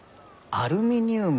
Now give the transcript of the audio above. アルミニウム。